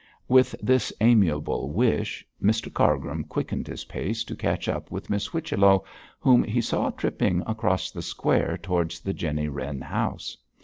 With this amiable wish, Mr Cargrim quickened his pace to catch up with Miss Whichello, whom he saw tripping across the square towards the Jenny Wren house.